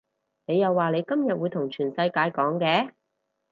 你又話你今日會同全世界講嘅